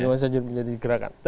masih menjadi gerakan